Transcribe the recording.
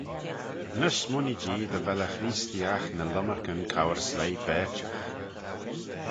Ny smooinee-jee dy vel y Chreesteeaght ny lomarcan cour sleih berçhagh.